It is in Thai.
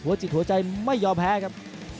จิตหัวใจไม่ยอมแพ้ครับ